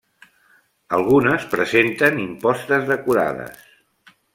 Algunes presenten impostes decorades.